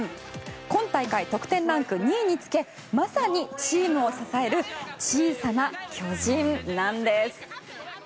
今大会、得点ランク２位につけまさにチームを支える小さな巨人なんです。